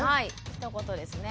ひと言ですね。